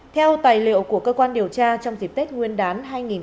theo tài liệu của cơ quan điều tra trong dịp tết nguyên đán hai nghìn một mươi bảy